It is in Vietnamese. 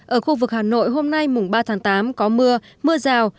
ở khu vực hà nội hôm nay mùng ba tháng tám có mưa mưa rào